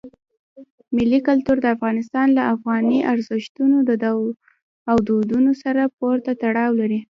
ملي کلتور د افغانستان له افغاني ارزښتونو او دودونو سره پوره تړاو لري.